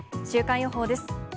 週間予報です。